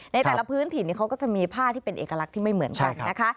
ในแต่ละพื้นถิ่นเขาก็จะมีผ้าที่เป็นเอกลักษณ์ที่ไม่เหมือนกันนะคะ